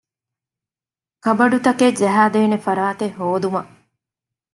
ކަބަޑުތަކެއް ޖަހައިދޭނެ ފަރާތެއް ހޯދުމަށް